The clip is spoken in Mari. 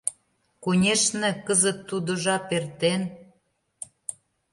Конешне, кызыт тудо жап эртен.